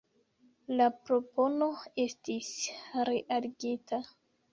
La propono estis realigita.